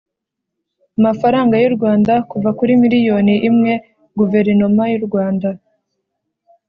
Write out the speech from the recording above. amafaranga y u Rwanda kuva kuri miliyoni imwe Guverinoma y u Rwanda